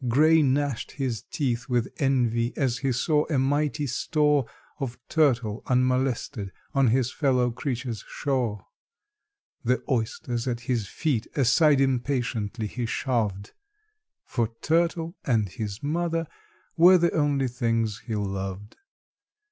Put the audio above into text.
GRAY gnashed his teeth with envy as he saw a mighty store Of turtle unmolested on his fellow creature's shore. The oysters at his feet aside impatiently he shoved, For turtle and his mother were the only things he loved.